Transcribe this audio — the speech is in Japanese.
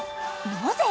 なぜ？